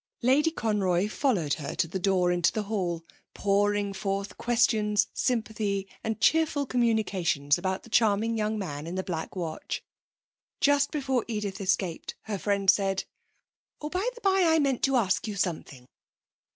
Lady Conroy followed her to the door into the hall, pouring forth questions, sympathy and cheerful communications about the charming young man in the Black Watch. Just before Edith escaped her friend said: 'Oh, by the by, I meant to ask you something.